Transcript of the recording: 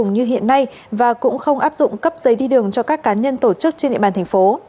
như hiện nay và cũng không áp dụng cấp giấy đi đường cho các cá nhân tổ chức trên địa bàn thành phố